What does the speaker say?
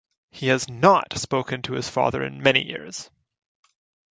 He has not spoken to his father in many years.